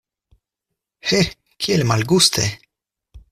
He, kiel malguste!